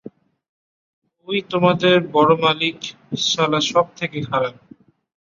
ঐ তোমাদের বড় মালিক সালা সব থেকে খারাপ।